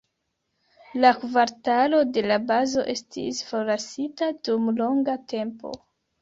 La kvartalo de la bazo estis forlasita dum longa tempo.